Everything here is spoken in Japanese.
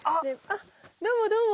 あっどうもどうも。